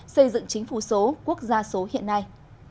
xây dựng chính phủ số quốc gia số hiện nay